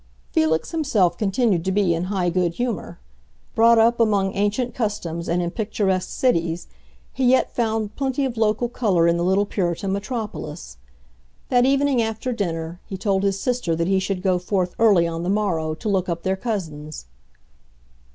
Felix himself continued to be in high good humor. Brought up among ancient customs and in picturesque cities, he yet found plenty of local color in the little Puritan metropolis. That evening, after dinner, he told his sister that he should go forth early on the morrow to look up their cousins.